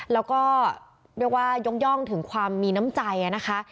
แล้วก็เรียกว่ายกย่องถึงความมีน้ำใจนะคะ